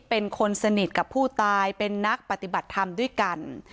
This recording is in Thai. เป็นคนสนิทกับผู้ตายเป็นนักปฏิบัติธรรมด้วยกัน